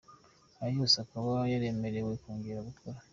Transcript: Aya yose akaba yaremerewe kongera gukora.